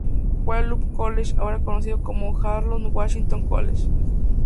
Fue al Loop College, ahora conocido como Harold Washington College.